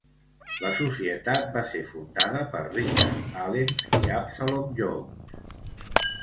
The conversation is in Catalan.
La Societat va ser fundada per Richard Allen i Absalom Jones.